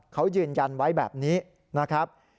เขายืนยันไว้แบบนี้นะครับ